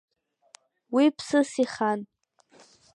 Уи ԥсыс ихан.